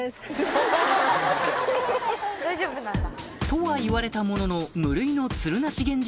とは言われたものの無類の「つるなしげんぢ」